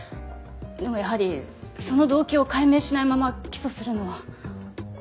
でもやはりその動機を解明しないまま起訴するのは。